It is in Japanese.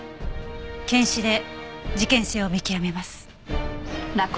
検視で事件性を見極めます。